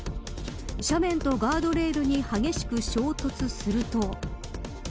斜面とガードレールに激しく衝突すると。